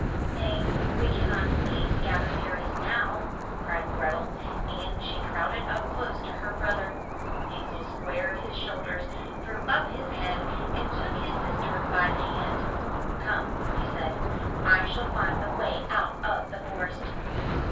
"Nay, we cannot see to gather berries now," cried Grethel and she crowded up close to her brother. Hansel squared his shoulders, threw up his head and took his sister by the hand. "Come," he said, "I shall find the way out of the forest."